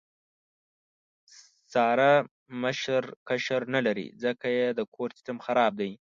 ساره مشر کشر نه لري، ځکه یې د کور سیستم خراب دی.